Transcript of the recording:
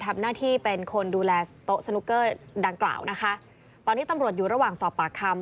ทำหน้าที่เป็นคนดูแลโต๊ะสนุกเกอร์ดังกล่าวนะคะตอนนี้ตำรวจอยู่ระหว่างสอบปากคำ